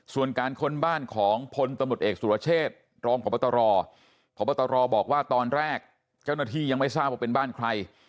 ส่วนการค้นบ้านของพลตำรวจเอกสุรเชษรองพบตรพบตรบอกว่าตอนแรกเจ้าหน้าที่ยังไม่ทราบว่าเป็นบ้านใคร